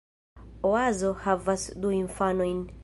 Oazo havas du infanojn.